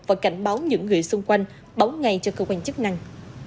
và cảnh báo những người xung quanh báo ngay cho cơ quan chức năng